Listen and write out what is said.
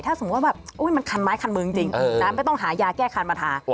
ถ้าสมมุติว่าแบบมันคันไม้คันมือจริงไม่ต้องหายาแก้คันมาทา